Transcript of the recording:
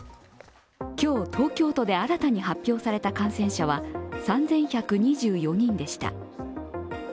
今日、東京都で新たに発表された感染者は３１２４人でした。